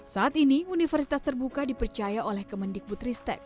saat ini universitas seribuka dipercaya oleh kemendikbut ristek